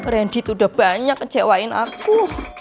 branji tuh udah banyak kecewain aku